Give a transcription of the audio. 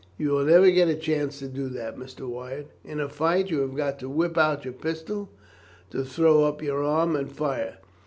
"You will never get a chance to do that, Mr. Wyatt, in a fight; you have got to whip out your pistol, to throw up your arm and fire.